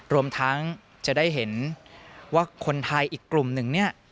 รวมทั้งจะได้เห็นว่าคนไทยอีกกลุ่มหนึ่งเนี่ย